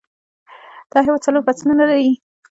دا هیواد څلور فصلونه لري